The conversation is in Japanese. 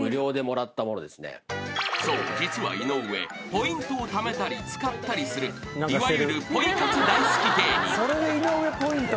ポイントをためたり使ったりするいわゆる］